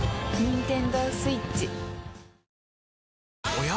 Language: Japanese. おや？